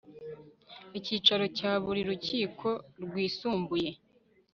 icyicaro cya buri rukiko rwisumbuye